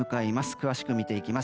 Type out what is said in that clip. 詳しく見ていきます。